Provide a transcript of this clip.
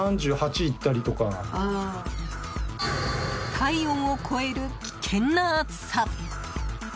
体温を超える危険な暑さ。